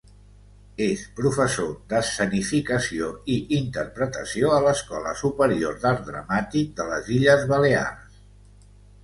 És professor d'escenificació i interpretació a l'Escola superior d'art dramàtic de les Illes Balears.